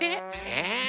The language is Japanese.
え？